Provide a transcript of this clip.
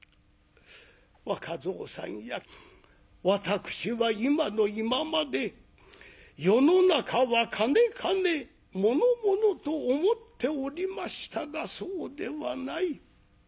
「若蔵さんや私は今の今まで世の中は金金物物と思っておりましたがそうではない。